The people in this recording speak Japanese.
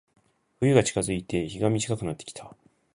冬が近づいて、日が短くなってきた。